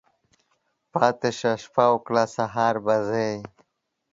پاتی شه، شپه وکړه ، سهار به ځی.